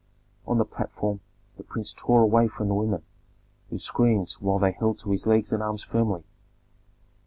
On the platform the prince tore away from the women, who screamed while they held to his legs and arms firmly.